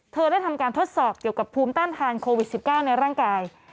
เธอได้ทำการทดสอบเกี่ยวกับภูมิต้านทานโควิด๑๙ในร่างกาย